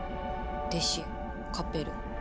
弟子カペル」。